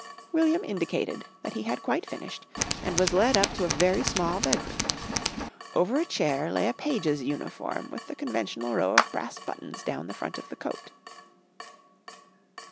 William indicated that he had quite finished, and was led up to a very small bed room. Over a chair lay a page's uniform with the conventional row of brass buttons down the front of the coat.